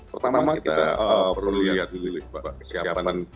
pertama kita perlu lihat dulu pak